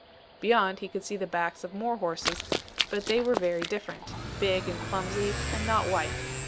Beyond he could see the backs of more horses, but they were very different big and clumsy, and not white.